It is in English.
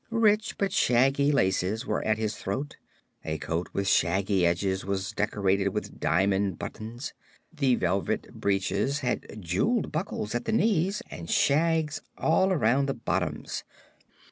Rich but shaggy laces were at his throat; a coat with shaggy edges was decorated with diamond buttons; the velvet breeches had jeweled buckles at the knees and shags all around the bottoms.